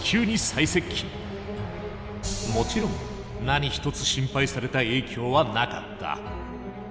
もちろん何一つ心配された影響はなかった。